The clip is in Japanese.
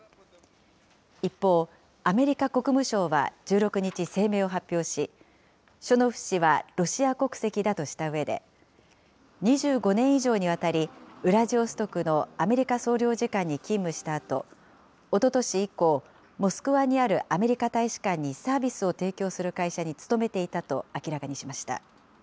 一方、アメリカ国務省は１６日声明を発表し、ショノフ氏はロシア国籍だとしたうえで、２５年以上にわたり、ウラジオストクのアメリカ総領事館に勤務したあと、おととし以降、モスクワにあるアメリカ大使館にサービスを提供する会社に勤めていたと明らかにしました。